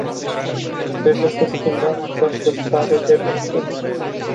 Trebuie să schimbăm această stare de lucruri.